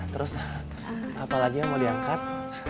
terus apa lagi yang mau diangkat